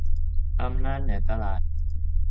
อำนาจเหนือตลาด